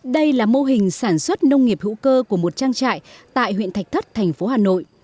đây là mô hình sản xuất nông nghiệp hữu cơ của một trang trại tại huyện thạch thất thành phố hà nội